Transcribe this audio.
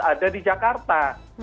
ada di jakarta